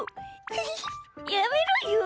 ウヒヒやめろよ！